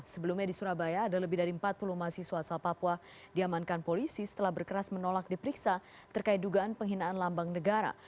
sebelumnya di surabaya ada lebih dari empat puluh mahasiswa asal papua diamankan polisi setelah berkeras menolak diperiksa terkait dugaan penghinaan lambang negara